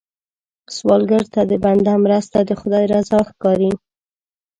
سوالګر ته د بنده مرسته، د خدای رضا ښکاري